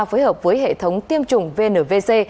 phối hợp với hệ thống tiêm chủng vnvc